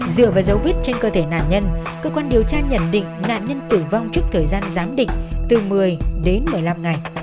dựa vào dấu vết trên cơ thể nạn nhân cơ quan điều tra nhận định nạn nhân tử vong trước thời gian giám định từ một mươi đến một mươi năm ngày